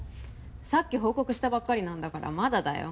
さっき報告したばっかりなんだからまだだよ